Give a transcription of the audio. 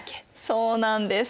そうなんです。